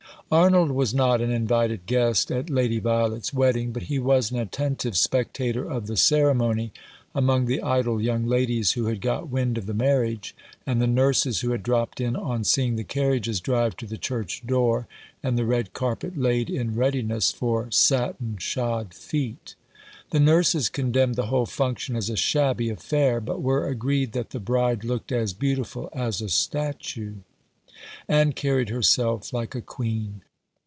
Arnold was not an invited guest at Lady Violet's wedding, but he was an attentive spectator of the ceremony among the idle young ladies who had got wind of the marriage, and the nurses who had dropped in on seeing the carriages drive to the church door, and the red carpet laid in readi ness for satin shod feet. The nui'ses condemned the whole function as a shabby affair, but were agreed that the bride looked as beautiful as a statue, and carried herself like a queen.